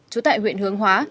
chú tại huyện hương hóa